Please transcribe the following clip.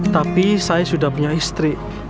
tapi saya sudah punya istri